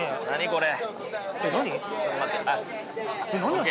これ。